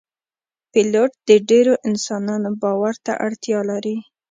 پیلوټ د ډیرو انسانانو باور ته اړتیا لري.